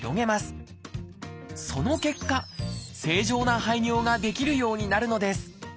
その結果正常な排尿ができるようになるのです。